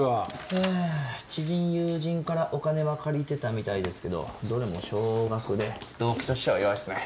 えぇ知人友人からお金は借りてたみたいですけどどれも少額で動機としては弱いっすね。